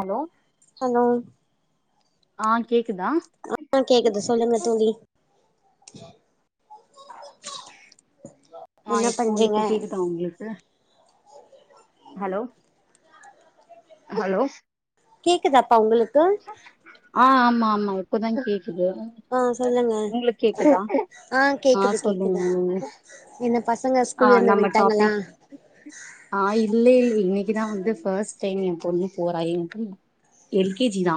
Hello hello ஆ கேக்குதா ஆ கேக்குது சொல்லுங்க தோழி ஆ என்ன இப்போ பண்றீங்க இப்போ கேக்குதா உங்ளுக்கு ஹலோ ஹலோ கேக்குதாப்பா உங்களுக் ஆ ஆமாம் மா இப்பதா கேக் குது ஆ சொல்லுங்க உங்குளுக்கு கேக்குதா ஆ கேக்குது கேக்குது சொல்லுங்க என்ன பசங்க ஆ ஸ்கூல்ல இருந்து நம்ம வந்ட்டாங்களா டாபிக் ஆ இல்ல இன் இன்னைக்குதா வந்து ஃபஸ்ட் டே எம் பொண்ணு போறா எல் கே ஜி தா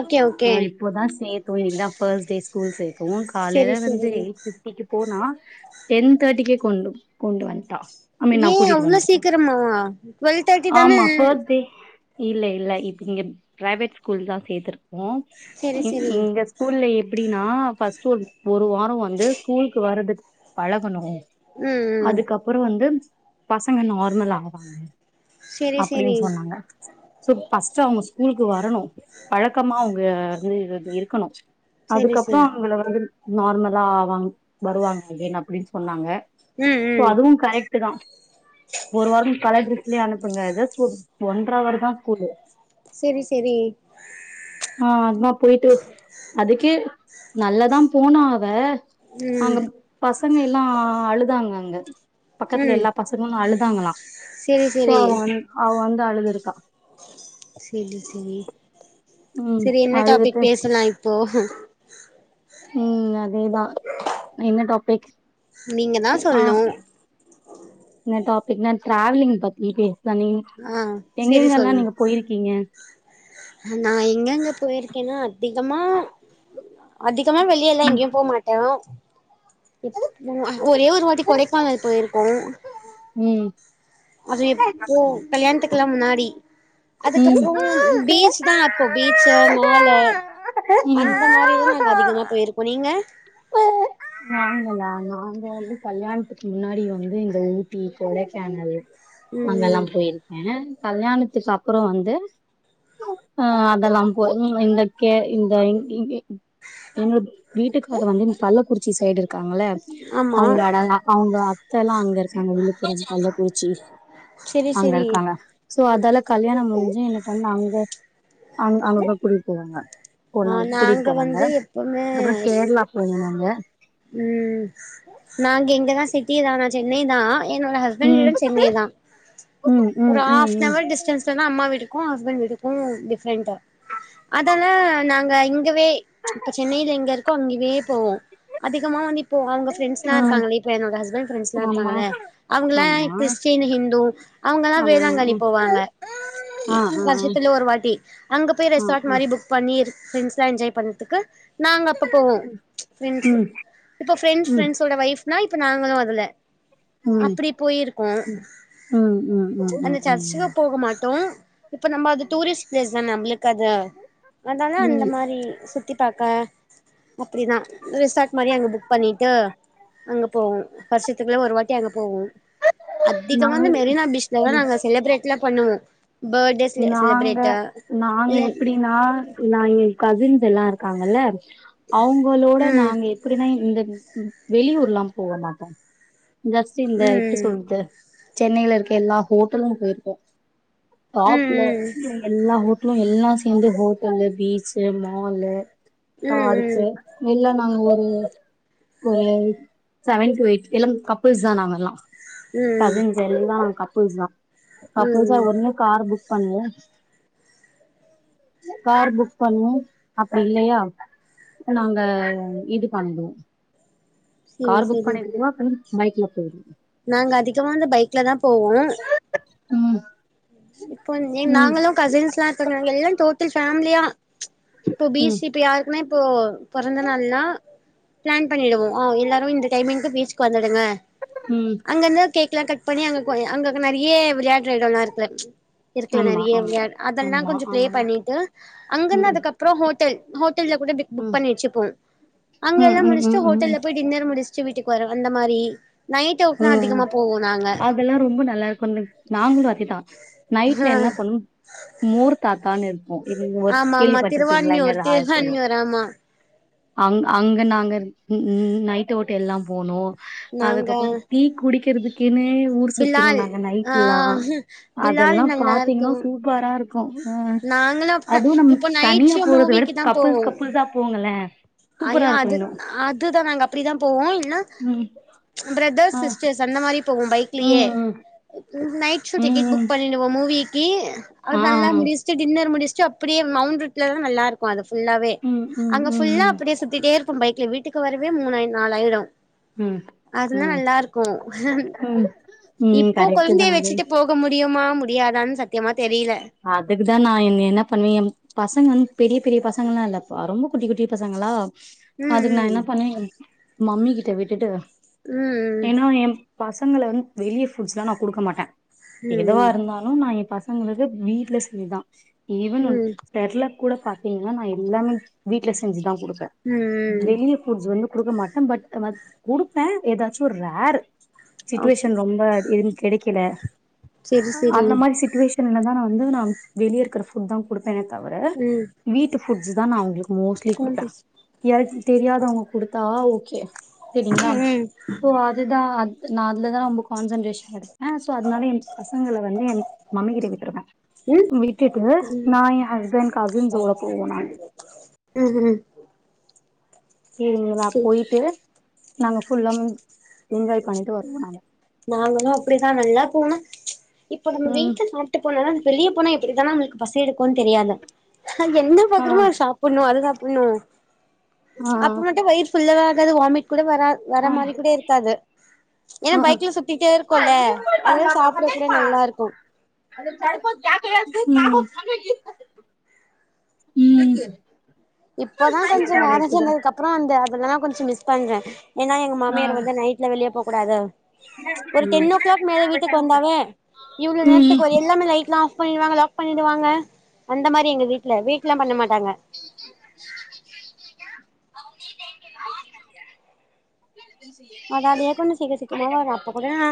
ஓகே ஓகே ஆஹ் இப்போ தா சேத்தோ இதா ஃபர்ஸ்ட் டேஸ் ஸ்கூல்சே அது காலைல செரி வந்து செரி எயிட் ஃபிஃப்டிக்கு போனா டென் தேட்டிக்கே கொண்டு கொண்டு வந்ட்டா ஏ அவ்ளோ சீக்கிரமாவ டுவெல் தேட்டி தானே இல்லே இல்ல இப்ப நீங்க பிரைவேட் ஸ்கூல் தா சேத்திருக் கோ செரி இ செரி இங்க ஸ்கூல்ல எப்டின்னா ஃபர்ஸ்ட்டு ஒரு ஒரு வாரோ வந்து ஸ்கூலுக்கு வரதுக் பழகுணு ம் ம் அதுக்கப்புறோ வந்து பசங்க நர்மல் ஆவாங்க செரி அப்படின் செரி சொன்னாங்க சோ பர்ஸ்ட் அவங்க ஸ்கூல்க்கு வரணு பழக்கமா அவங்க வந்து இது இருக்கணு செரி அதுக்கப்புறோ செரி அவங்கள வந்து நார்மலா ஆவாங் வருவாங்க தென் அப்டின் சொன்னாங்க ம் சோ ம் அதுவு கரெட் டு தா ஒரு வாரம் கலர் ட்ரெஸ் லியே அனுப் புங்க ஜஸ்ட் ஒரு ஒன்ற அவர் தா ஸ்கூலு செரி செரி ஆ அதா போயிட்டு அதுக்கே நல்லா தா போனா அவ ம் அங்க பச ங்க எல்லா அழுதாங்க அங்க பக்கத்துல ம் எல்லா பசங்களு அழு தாங்ளா செரி சோ செரி அவ வந் அவ வந் து அழுதுருக்கா செரி செரி ம் செரி என்ன டாப்பிக் அழுதுட்டு பேசலா இப்போ ம் அதே தா என்ன டாப்பிக்ஸ் நீங்க தா சொல்னு என்ன டாப்பிக் நா ட்ராவலிங் பத்தி பே ஆ செரி சொல்லுங் போயிருக்கீங்க நா எங்கங்க போயிருக்கேனா அதிகமா அதிக் சுத்தமா வெளிய எல்லா ம் எங்கயு போ மாட்டே ஒரே ஒரு வாட்டி கொடைக்கானல் போயிருக்கோ ம் அது எப்போ கல்யாணதுக்கு க்லா முன்னாடி ம் அதுக்கப்பறோ பீச் தா அப்போ பீச் மாலு ம் அந்த மாரிதா நாங்க அதிகமா போயிருக்கோ நீங்க நாங்களா நாங்க வந்து கல்யாணத்துக்கு முன்னாடி வந்து இந்த ஊட்டி கொடைக்கானல் அங்கெல்லா ம் போயிருக்கே கல்யாணத்துக்கு அப்பறோ வந்து ஆ அதெல்லா போ ம் இந்த கே இந்த இங் இங் என்னோட வீட்டுக்கு அது வந்து இந்த கள்ளக்குறிச்சி சைடு இருக் க்காங்கள ஆமா அவுங்க அவுங்க அத்தல்லா அங்க இருக்காங்க விழுப்புரம் கள்ளக்குறிச்சி செரி அங்க செரி இருக்காங்க சோ அதெல்லா கல்யாணம் முடிஞ்சு என்ன பண்ண அங்க அங்க அங்கதா கூட்டிட்டுபோவாங்க ஆ நாங்க வந்து எப்பவுமே அதுக்கப்புறோ கேரளா போனோ நாங்க ம் நாங்க இங்கதா சிட் டி தானா சென்னை தா என்னோட ஹஸ்பண்ட் ம் எடம் சென்னை தா ம் ஒரு ம் ம் ஹாவ் அன் ம் ஹவர் டிஸ்டன்ஸ்ல அம்மா வீடு கு ஹஸ்பண்ட் வீட்டுக்கு டி ஃப்ரெண்ட்டு அதெல்லா இங்க இங்கவே இப்ப சென்னையில எங்க இருக்கோ அங்கயே போவோ அதிகமான் இப் போ அவங்க ஃப்ரெண்ட்ஸ்லா ம் இருக்காங்க வீட்ல என்னோட ஹஸ்பண்ட் ஃப்ரண்ட்ஸ்லா ஆமா இருக்காங்கள அவங்களா ஆமா கிறிஸ்டின் ஹிந்து அவங்கலா ஆ வேளாங்கண்ணி போவாங்க ஆ ஆ ஆ ஆ வருஷத்துல ஆ ஒரு வாட்டி அங்க போய் ரெசார்ட் ஆ மாரி புக் பண்ணி ஃப்ரெண்ட்ஸ் எல்லா என்ஜாய் பண்ணதுக்கு நாங்கள் அப்ப போவோம் ஃப்ரெண்ட்ஸ் ம் இப்போ ஃப்ரெண்ட்ஸ் ம் ஃப்ரெண்ட்ஸோட வைஃப் னா இப்ப நாங்களு அதுல ம் அப்படி போயிருக்கோம் ம் ம் ம் ம் அந்த ம் சர்ச்சுக்கு போக மாட்டோ இப்ப நம்ம அது டூரிஸ்ட் ப்ளேஸ் தானே நம்மளுக்கு அது அத அந்த ம் மாரி சுத்தி பாக்க ஓகே தா ரிசார்ட் மாரி அங்க புக் பண்ணிட்டு அங்க போவோம் வருஷத்துக்குள்ள ஒரு வாட் து எங்க போவோ நா அதிகமா ந்து மெரினா பீச் [unintelligible] ஏனா செலப்ரேட்லா பண்ணுவோ பர்த்டே செ நாங்க செலிப்ரேட்டு நாங்க இல்ல எப்பிடினா [unintelligible] கசின்ஸ் எல்லா இருக்காங்கல்ல அவுங்களோட ம் நாங்க எப்பிடினா இந்த வ் வெளியூர்ல்லா போக மாட்டோ ஜஸ்ட்டு இந்த எப்டி ம் சொல்றது சென்னையில இருக்க எல்லா ஹோட்டலு போய்ருக்கோ ம் டாப்ல ம் [inaudible] எல்லா ஹோட் லு எல்லா சேந்து ஹோட்டல்லு பீச்சு மாலு ம் ஆய்டிச்சு ம் இல்ல நாங் ஒ [unintelligible] ஒரு செவன் டூ எய்ட் எல்லாம் கப்புள்ஸ் தா நாங்க எல்லா ம் கசின்ஸ் எல்லா கப் புள்ஸ் தா கப்புள்ஸா [unintelligible] ம் புக் பண்வோ காரு புக் பண்வோ அப்டி இல்லையா நாங்க இது பண்ணுவோ சேரி காரு புக் சேரி பண்ணி [inaudible] பைக்ல போவோ நாங்க அதிகமா ந்த பைக்ல தா போவோ ம் இப்போ [unintelligible] ம் நாங்களு கசின்ஸ்லா இர்கங்க எல்லா டோட்டல் ஃபேம்லியா ச்ச் இப்போ ம் பீச்சி இப்ப யாருக் மே போவோ பொறந்த நாள்லா ப்ளான் பண்ணிடுவோ அ எல்லாரு இந்த டைமிங்கு பீச்கு வ ந்துடுங்க ம் அங்கந்து கேக்லா கட் பண்ணி அங்க கொ அ அங்க நெறி யே விள்யாட்ர எடோல்லா இருக்ல ச்ச் இருக்குல ஆமா நறிய ஆமா விள்யா அதெல்லா ஆமா கொஞ்சு ப்ளே ஆமா பண்ணிட்டு அங்கன்ன ம் அதுக்கப்றோ ஹோட்டல் ஹோட்டல்ல கூட பிக் புக் ம் பண்ணி ச்சிப்போ‌ ம் ம் அங்கெல்லா ம் முடிஷ்ட்டு ம் ம் ஹோட்டல்ல போய் டின்னர் முடிஷ் ச்சி வீட்டுக் வர அந்த மாரி நைட் அவுட்லா ம் அதிகமா போவோ நாங்க ம் அதெல்லா ரொம்ப நல்லார்கோ இந் நாங்ளு அதேதா நை ட்ல என்ன பண்ணுவோ மோரு தாத் தான் இ ஆம்மாம்மா திருவான்மியூர் ராயப்பூர் திர்வான்மியூர் ஆம்மா அங் அங்க நாங்க ன் ன் நைட் ஔட்டெல்லா‌ போனோ நாங்க அதுக்கப்றோ டீ குடிக்கிறதுக்குன்னு ஏ ஊர் சுத்துரோ பிலால் நாங்க ஆ நைட்லா பிலால் அதெல்லா நல்லா இருக்கு பாத்தீங்கன்னா சூப்பரா இருக்கோ அ நாங்களு அப்டிதா அதுவு நம் இப்போ நைட் தனியா ஷோ போறத விட மூவிக்கு தா போவோ கப்புள்ஸ் கப்புள்ஸா போங்களே சூப்பரா ஐயோ இருக்கு அது இன்னு அதுதா நாங்க அப்டிதா போவோ இல்ன்னா ம் ப்ரத ஆ சிஸ்டர்ஸ் அந்த மாரி போவோ பைக்லேயே ம் ம் நைட் ஷோ ம் டிக்கெட் புக் ம் பண்ணிடுவோ மூவீ கீ அது ஆ நல்லா முடிச்ட்டு டின்னர் முடிச் சோ அப்டியே மள்ந்துட்டு நல்லா இருக்கோ அது ஃபுல்லாவே ம் ம் ம் அங்க ஃபுல்லா ம் அப்டியே சுத்திட்டே இருப்போ பைக்ல வீட்டுக் கு வரவே மூணூ நாலாயிடோ ம் அதுதா ம் நல்லா இருக்கோ ம் ம் இப்போ கரெக்ட் தா கொழ்ந்தைய அது வெச்சுட்டு போக முடியுமா முடியாதான் சத் அதுக்குதா நா என் என்ன பண்ணுவே பசங்கன் பெரிய பெரிய பசங்கள்லா இல்லப்பா ரொம்ப குட்டி குட்டி பசங்களா அதுக்கு நா ம் என்ன பண்ணே மம்மி கிட்ட விட்டுட்டு ம் ம் ஏன்னா எ பசங்கள வந் வெளிய ஃபுட்ஸ்லா நா குடுக்க மாட்டே எதுவா ம் ம் இருந்தாலு நா ஏ பச் சங்களுக்கு வீட்ல செஞ்சதா ஈவன் ம் தெர்ல கூட பாத்தீங்கன்னா நா எல்லாமே வீட்ல செஞ்சு தா கொடுப் ப ம் ம் வெளிய ஃபுட்ஸ் வந்து குடுக்க மாட்டே பட் நா கொடுப்பே ஏதாச்சு ரேர் ஓகே சுட்டுவேஷன் ரொம்ப ஏது கெடைக்கல செரி செரி அந்த மாரி சுட்டுவேஷ் இல்லனா நா வந்து நா வெளியே இருக்குற ஃபுட் தா கொடு ப்பேனே தவர ம் வீட்டு ஃபுட்ஸ்தா நா அவங்களுக் மோஸ்ட்லி ஃபோன் குடுப்பே பேசு ஏ தெரியாதவங்க கொடுத்தா ஓகே செரிங்களா ம் ம் சோ அதுதா நா அதுல தா ரொம்ப கான்சன்ட்ரேஷன் எடுப்ப சோ அதனால எ பசங்கள வந்து என் மம்மி கிட்ட விட்டுருவ ம் விட்டுட்டு ம் நா எ ஹஸ்பண்ட் கசின்ஸோட போவோ நாங்க ம் ம் இவங்களா செரி போயிட்டு நாங்க ஃபுல்லா என்ஜாய் பண்ணிட்டு வருவோ நாங் நாங்களு அப்டித்தா நல்லா போனா இப்போ நம்ம ம் வீட்ல சாப்ட்டு போனலு அது வெளிய போனா எப்டித்தா நம்களுக்கு பசி எடுக்கும்ணு தெரியாது அது என்ன ஆ பாக்குறோமோ அது சாப்புட்னு அது சாப்புட்னு ஆ அப்ப மட்டு வயிர் ஃபுல்லா காது வாமிட் கூட வரா வர ஆ மாரி கூட இருக்காது ஏன்னா பைக் கூட நல்லா இருக்கு [unintelligible] ம் ம் இப்பதா கொஞ்சம் மேரேஜ் கரெக்ட்டுதா ஆனதுக்கு அப்பறம் அந்த அதெல்லா கொஞ்சம் மிஸ் பண்ற ஏன்னா எங்க ஆ மாமியார் வந்து நைட்ல வெளியே போ கூடாது ஒரு டென் ஓ கிளாக் மேல வீட்டுக்கு வந்தாவே இவ்ளோ நேரத்துக்கு வரியே எல்லாமே லைட்லா ஆப் பண்ணிடுவாங்க லாக் பண்ணிடுவாங்க அந்த மாரி எங்க வீட்ல வெயி [inaudible] அதாலயே கொஞ்ச சீக்கிர சீக்கரமா வரு அப்ப கூட நா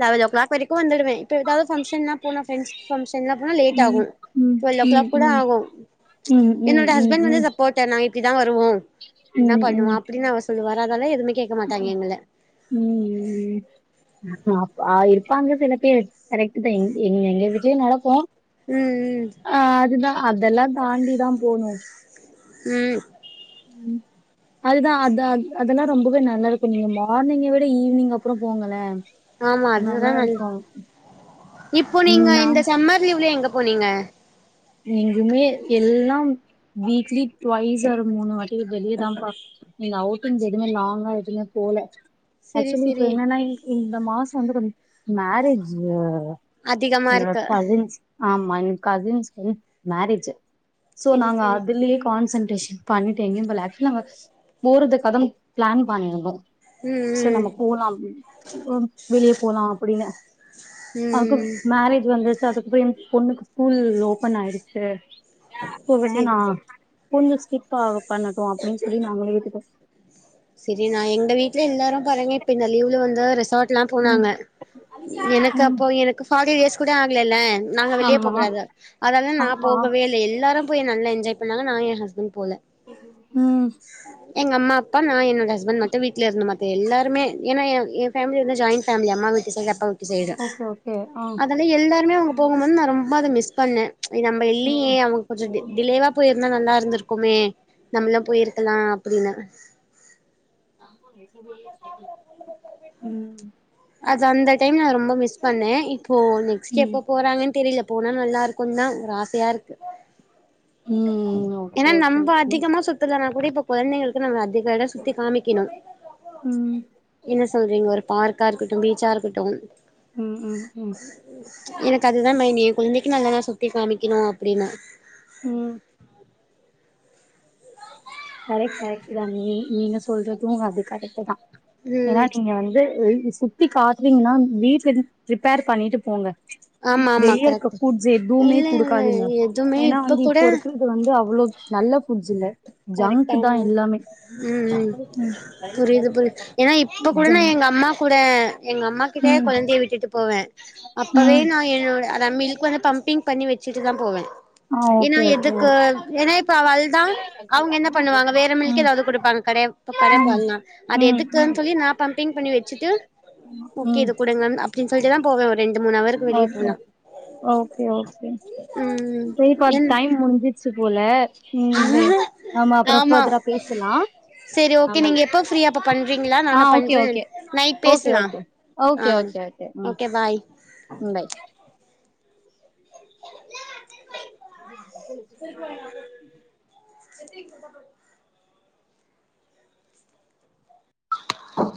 லெவன் ஓ கிளாக் வரை க்கு வந்துடுவே இப்ப ஏதாவது ஃபங்ஷன்னா போனா பிரண்ட்ஸ் ஃபங்ஷன் லா போன ம் லேட் ஆகும் ம் ம் டுவெல் ஓ ம் கிளாக் ம் கூட ஆகும் ம் ம் என்னோட ஹஸ்பண்ட் ம் வந்து ம் சப்போர்ட் நா இப் இப்டிதா வருவோ இப்டிதா பண்ணுவ அப்டின்னு அவர் சொல்லுவா ரா அதனால எதுமே கே ம் ம் அப் ஆ இருப்பாங்க சில பேர் கரெக்ட் தா எங்க எங்க வீட்லயு நடக்கூ ம் ம் அதெல்லா தாண்டி தா போணும் ம் ம் அதுதா அது அதெல்லா ரொம்பவே நல்லா இருக்கு. நீங்க மார்னிங்கை விட ஈவினிங் அப்ற போங்களே ஆமா அதுதா நல்லா நல்ல இருக்கு இப்போ நீங்க நா இந்த சம்மர் லீவ்ல எங்க போ நீங்க எங்குமே எல்லாம் வீக்லி டவைஸ் ஆர் மூணு வாட்டி வெளியேதா நீங்க அவுட்டிங எதுவுமே லாங்கா எதுவுமே போல செரி அச்சுவள்ளி இப்போ செரி எனனா இந் அந்த மாச வந்து கொஞ்சோ மேரேஜ்ஜு அதிகமா இருக்கு ஆமா நீங் கசின்ஸ் ம் மேரேஜ் சோ செரி நாங்க செரி அதுலேயே கான்சன் [unintelligible] பண்ட்டு எங்கயு போல ஆச்சுவல்லி நாங்க போறதுகாகதா பிளான் பண்ணிருந்தோ ம் சரி நம்ம ம் போலா அ வெளியே போலா அப்டின்னு ஆக்குப் ம் மேரேஜ் வந்துச்சு அதுக்கப்புற பொண்ணுக்கு ஸ்கூல் ஓ ஒப்பன் ஆய்டுச்சு சோ வேனா செரி கொஞ்ச ஸ் இப்பா பண்ணட்டு அப்படின்னு சொல்லி நாங்களே ஏத்துட்டோ சரி நா எங்க வீட்ல எல்லாரு பாருங்க இப்ப இந்த லீவு்ல வந்து ரெசார்ட் ம் போனாங்க எனக்கு ம் அப்போ எனக்கு பாடி எஸ் கூட ஆகலல்ல நாங்க வெளிய ஆமா போகூடாதா அதாது நா ஆமா போகவேல்ல எல்லாரு போய் நல்ல என்ஜாய் பண்ணாங்க நா ஏ ஹஸ்பண் ம் எங்கம்மாப்பா நா என்னோட ஹஸ்பண் மட்டு வீட்ல இருந்தோ மத்த எல்லாருமே ஏனா ஏ எ ஃபேம்லி வந்து ஜாய்ன் ஃபேம்லி அம்மா மட் திசுங்கப் அவ்ன்வீட்டு சைடு ஓகே ஓகே ஆ அதல எல்லாருமே அவுங்க போகுமோது நா ரொம் அத மிஸ் பண்ணே இது நம்ப இல்லியே ம் அவுங்க கொஞ்ச டி டிலேவா போய்ர்ந்தா நல்லாருந்திருக்குமே நம்ளா போயிருக்குலா அப்டின்னு [unintelligible] ம் அது அந்த டைம் நா ரொம்ப மிஸ் பண்ணே போ நெக்ஸ்ட்டு ம் எப்ப போறாங்கன் தெரில போனா நல்லா இருக்குந்தா ஒரு ஆசையா இருக்கு ம் ஓகே ஏனா ஓகே நம்ப ம் அதிகமா சுத்துலனா கூட இப்ப கொழந்தைங்களுக்கு நம்ம அதிக எடொ சுத்தி காமிக்கிணு ம் என்ன சொல்றீங்கொரு பார்க்கா இருக்கட்டு பீச்சா இருக்கட்டு ம் ம் ம் எனக்கத் இதுதா மைன்னி குழந்தைக்கு நாங்காதா சுத்தி காமிக்கணு அப்புடீன்னு உம் கரெக்ட் கரெக்ட்டு தா நீ நீங்க சொல்றது அது கரெக்ட்டு தா ஏனா ம் நீங்க வந்து சுத்தி காட்றீங்ன்னா வீட்ல இருந் ப்ரிப்பேர் பண்ணிட்டு போங்க ஆமா ஆமா வெளிய இருக்க கரெக்ட் புட்ஸ் எதுவுமே இல்ல இல்ல குடுக்காதீங்க எதுவுமே ஏனா இப்ப வந்து இப்போ கூட இருக்கிறது வந்து அவுளோ நல்ல புட்ஸ் இல்ல கரெக்ட் ஜங்க் தா ஆமா எல்லாமே உம் ம் புரிது புரி ஏனா இப்போ கூட நா ஜங் எங்க அம்மா கூட எங்க அம்மா கிட்ட ம் கொழந்ய விட்டுட்டு போவ அப்பவே ம் நா என்னோட நா மில்க்வேணா பம்பிங் பண்ணி வச்சிட்டு தா போவே ஆ ஏனா ஓகே ஓகே எதுக்கு ஏனா இப்ப அவ அழ்தா அவுங்க என்ன பண்ணுவாங்க வேற மில்க் ம் எதாவது குடுப்பாங்க கடையவ் ப்ப கடப்பால்லா அது ம் ம் எதுக்குன் சொல்லி நா பம்பிங் பண்ணி வச்சுட்டு ம் ஓகே ம் இது குடுங்கன் இப்பிடின் சொல்லிட்டு தா போவ வர் ஓகே ஓகே ஓகே ம் செரிப்பா என் டைம் முடிஞ்சிச்சு போல உம் தே ஆமா அப்புறோ ஃபர்தெரா பேசுலா செரி ஆ ஓகே பய் நீங்க எப்போ ஃப்ரீயா அப்ப பண்றீங்களா ஆ நானு ஓகே பண்றே ஓகே நைட் ஓகே பேசலா ஓகே ஓகே ஆ ஓகே ஓகே உம் உம் பாய் [inaudible] [inaudible]